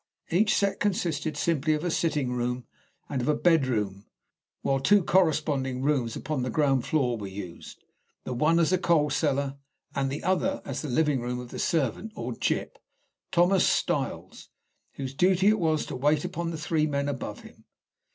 Each set consisted simply of a sitting room and of a bedroom, while the two corresponding rooms upon the ground floor were used, the one as a coal cellar, and the other as the living room of the servant, or gyp, Thomas Styles, whose duty it was to wait upon the three men above him.